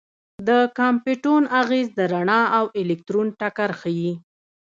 د کامپټون اغېز د رڼا او الکترون ټکر ښيي.